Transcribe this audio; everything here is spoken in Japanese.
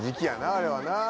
あれはな。